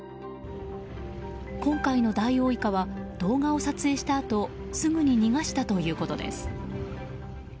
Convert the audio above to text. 今回のダイオウイカは動画を撮影したあとすぐに逃がしたということです。